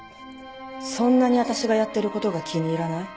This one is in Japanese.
そんなに私がやってる事が気に入らない？